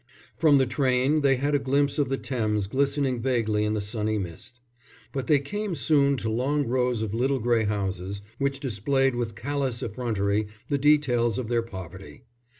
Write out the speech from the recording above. From the train they had a glimpse of the Thames glistening vaguely in the sunny mist. But they came soon to long rows of little grey houses, which displayed with callous effrontery the details of their poverty.